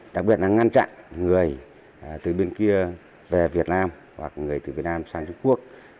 đặc biệt là ngăn chặn người từ bên kia về việt nam hoặc người từ việt nam sang trung quốc